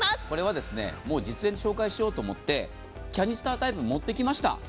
これはもう、実演で紹介しようと思って、キャニスタータイプ、持ってきました。